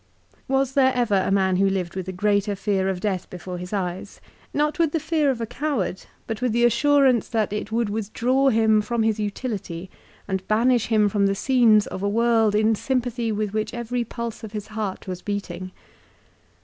Was there ever a man who lived with a greater fear of death before his eyes ; not with the fear of a coward, but with the assurance that it would withdraw him from his utility and banish him from the scenes of a world in sym pathy with which every pulse of his heart was beating?